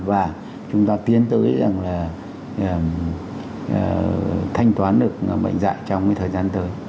và chúng ta tiến tới rằng là thanh toán được bệnh dạy trong thời gian tới